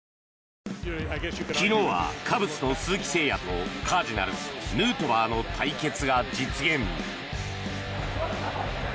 昨日はカブスの鈴木誠也とカージナルス、ヌートバーの対決が実現。